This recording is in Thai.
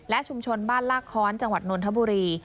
ชุมชนบ้านลากค้อนจังหวัดนนทบุรี